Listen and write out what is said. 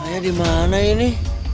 ayah dimana ini